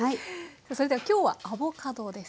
それでは今日はアボカドですね。